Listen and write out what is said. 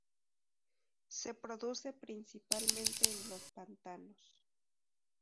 Se produce principalmente en los pantanos.